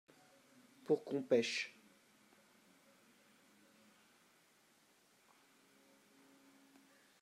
pour qu'on pêche.